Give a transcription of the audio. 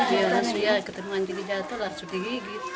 iya ketemu anjing di jalan itu harus digigit